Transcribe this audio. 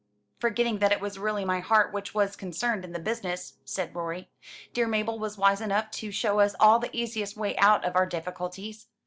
"Forgetting that it was really my heart which was concerned in the business," said Rorie. "Dear Mabel was wise enough to show us all the easiest way out of our difficulties.